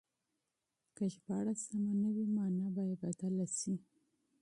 که ژباړه سمه نه وي مانا به يې بدله شي.